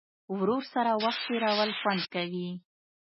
ورور سره وخت تېرول خوند کوي.